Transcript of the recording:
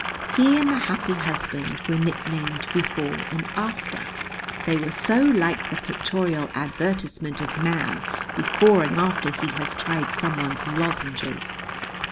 He and the happy husband were nicknamed Before and After, they were so like the pictorial advertisement of Man before and after he has tried Someone's lozenges.